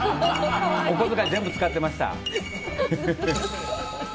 お小遣い全部使ってました。